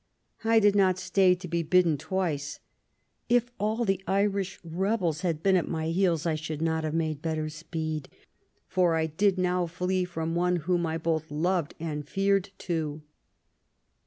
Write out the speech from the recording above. I did not stay to be bidden twice ; if all the Irish rebels had been at my heels I should not have made better speed, for I did now flee from one whom I both loved and feared too."